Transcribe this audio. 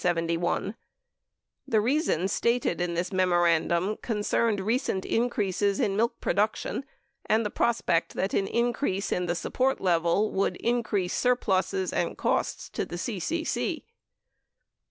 87 The reasons stated in this memorandum concerned recent in creases in milk production and the prospect that an increase in the support level would increase surpluses and costs to the CCC. Dr.